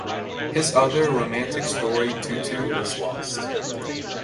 His other romantic story "Tutu" is lost.